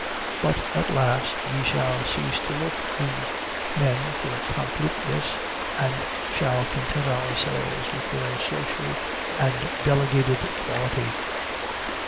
But, at last, we shall cease to look in men for completeness, and shall content ourselves with their social and delegated quality.